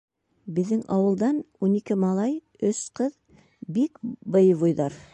Беҙҙең ауылдан ун ике малай, өс ҡыҙ — бик боевойҙар.